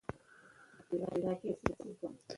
ازادي راډیو د امنیت موضوع تر پوښښ لاندې راوستې.